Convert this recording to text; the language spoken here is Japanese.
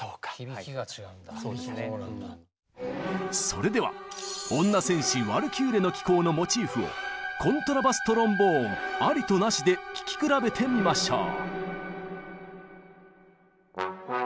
それでは女戦士「ワルキューレの騎行」のモチーフをコントラバストロンボーンありとなしで聴き比べてみましょう。